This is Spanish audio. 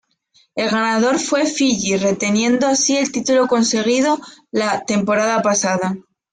El ganador fue Fiyi reteniendo así el título conseguido la temporada pasada.